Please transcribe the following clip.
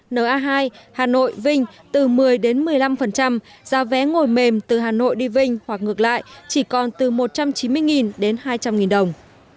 na hai hà nội vinh từ một mươi đến một mươi năm giá vé ngồi mềm từ hà nội đi vinh hoặc ngược lại chỉ còn từ một trăm chín mươi đến hai trăm linh đồng